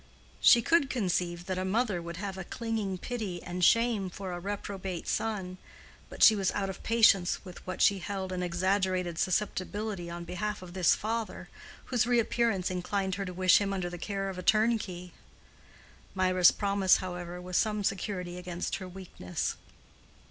She could conceive that a mother would have a clinging pity and shame for a reprobate son, but she was out of patience with what she held an exaggerated susceptibility on behalf of this father, whose reappearance inclined her to wish him under the care of a turnkey. Mirah's promise, however, was some security against her weakness.